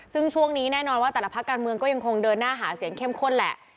ซึ่งช่วงนี้แน่นอนว่าแต่ละพักการเมืองก็ยังคงเดินหน้าหาเสียงเข้มข้นแหละ